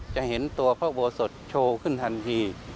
จะเห็นตัวภาพบวชสดโชว์ขึ้นทันที